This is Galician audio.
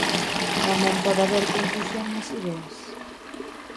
Tamén pode haber confusión nas ideas.